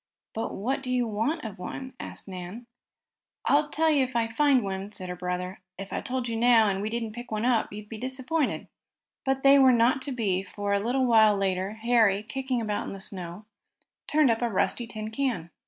"But what do you want of one?" asked Nan. "I'll tell you if I find one," said her brother. "If I told you now, and we didn't pick up one, you'd be disappointed." But they were not to be, for a little later Harry, kicking about in the snow, turned up a rusty tin can.